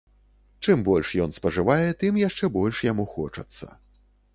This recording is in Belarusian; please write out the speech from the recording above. Чым больш ён спажывае, тым яшчэ больш яму хочацца.